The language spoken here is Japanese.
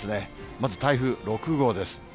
まず台風６号です。